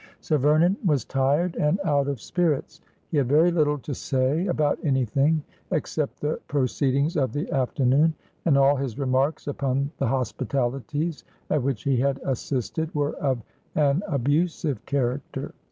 Sir Vernon was tired and out of spirits. He had very little to say about anything except the proceedings of the afternoon, and all his remarks upon the hospitalities at which he had assisted were of an abusive character.